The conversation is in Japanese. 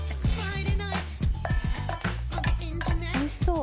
おいしそう。